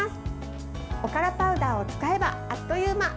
おからパウダーを使えばあっという間。